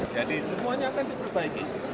jadi semuanya akan diperbaiki